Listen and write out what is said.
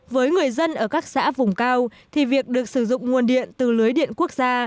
với người dân ở các xã vùng cao thì việc được sử dụng nguồn điện từ lưới điện quốc gia